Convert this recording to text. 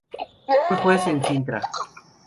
Fue juez en Cintra.